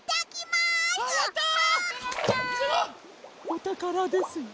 おたからですね。